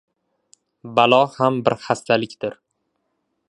Balo ham bir xastalikdir.